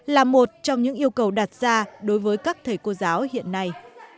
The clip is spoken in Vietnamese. là một trong những yêu cầu đặt ra đối với các thầy cô giáo hiện nay